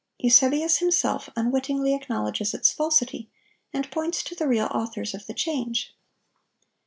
Eusebius himself unwittingly acknowledges its falsity, and points to the real authors of the change.